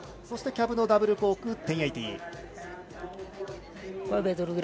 そしてキャブのダブルコーク１０８０。